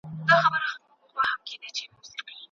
دا نوي وسایل د انرژۍ په سپما کې ډېره مرسته کوي.